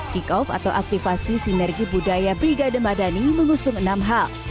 kick off atau aktivasi sinergi budaya brigade madani mengusung enam hal